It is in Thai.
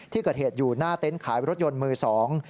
ที่เกิดเหตุอยู่หน้าเต็นต์ขายรถยนต์มือสอง